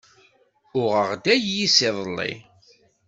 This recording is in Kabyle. Uɣeɣ-d ayis iḍelli.